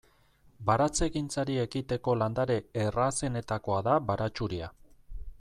Baratzegintzari ekiteko landare errazenetakoa da baratxuria.